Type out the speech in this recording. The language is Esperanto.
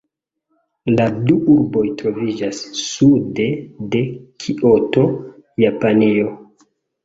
La du urboj troviĝas sude de Kioto, Japanio.